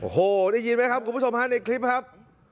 โอ้โหได้ยินไหมครับคุณผู้ชมฮะในคลิปครับ